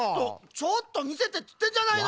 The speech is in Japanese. ちょっとみせてっつってんじゃないの！